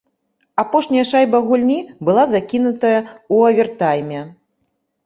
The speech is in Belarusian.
Апошняя шайба гульні была закінутая ў авертайме.